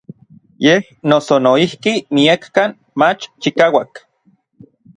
Yej noso noijki miekkan mach chikauak.